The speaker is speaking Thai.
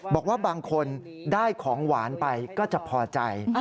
บอกว่าบางคนได้ของหวานไปก็จะพอใจ